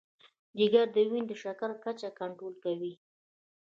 جگر د وینې د شکر کچه کنټرول کوي.